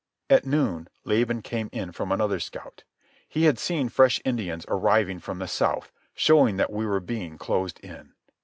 At noon Laban came in from another scout. He had seen fresh Indians arriving from the south, showing that we were being closed in.